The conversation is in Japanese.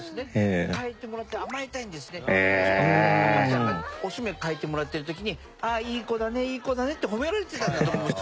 恐らくね赤ちゃんがおしめ替えてもらってる時に「いい子だねいい子だね」って褒められてたんだと思います。